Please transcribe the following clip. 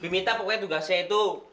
praditya pokoknya tugasnya itu